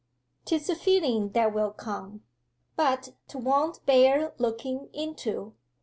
''Tis a feeling that will come. But 'twont bear looking into.